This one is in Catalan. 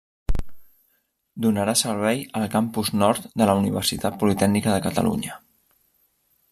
Donarà servei al Campus Nord de la Universitat Politècnica de Catalunya.